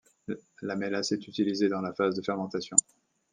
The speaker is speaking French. La mélasse est utilisée dans la phase de fermentation.